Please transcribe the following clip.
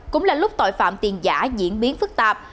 cũng là lúc tội phạm tiền giả diễn biến phức tạp